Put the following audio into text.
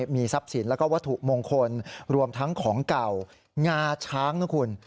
มีทรัพย์สินแล้วก็วัตถุมงคลรวมทั้งของเก่างาช้างนะคุณ